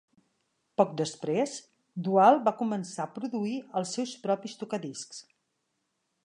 Poc després, Dual va començar a produir els seus propis tocadiscs.